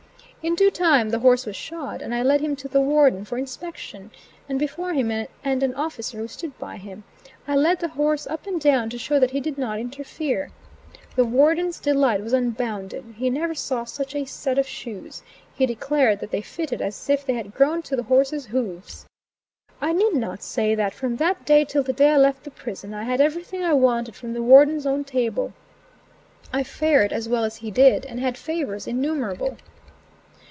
In due time the horse was shod, and I led him to the Warden for inspection; and before him and an officer who stood by him, I led the horse up and down to show that he did not interfere. The Warden's delight was unbounded; he never saw such a set of shoes; he declared that they fitted as if they had grown to the horse's hoofs. I need not say that from that day till the day I left the prison, I had everything I wanted from the Warden's own table; I fared as well as he did, and had favors innumerable.